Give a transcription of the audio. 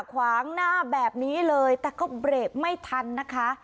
ขวางหน้าแบบนี้เลยแต่ก็เบรกไม่ทันนะคะ